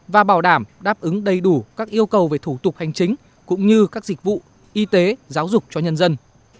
và bảo đảm đáp ứng đầy đủ các yêu cầu về thủ tục hành chính cũng như các dịch vụ y tế giáo dục cho nhân dân